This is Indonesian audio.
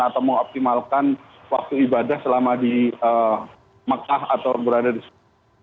atau mengoptimalkan waktu ibadah selama di mekah atau berada di sana